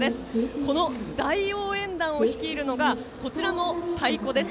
この大応援団を率いるのがこちらの太鼓です。